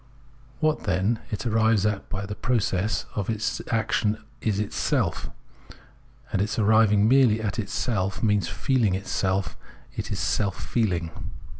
What, then, it arrives at by the pro cess of its action is itself ; and its arriving merely at itself means feehng itself, is its seH feehng.